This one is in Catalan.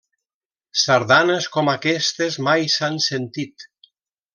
Sardanes com aquestes mai s'han sentit.